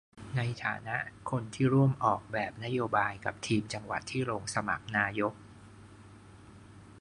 ในฐานะคนที่ร่วมออกแบบนโยบายกับทีมจังหวัดที่ลงสมัครนายก